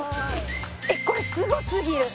これすごすぎる！